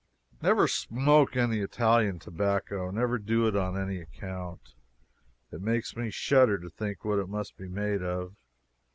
Never smoke any Italian tobacco. Never do it on any account. It makes me shudder to think what it must be made of.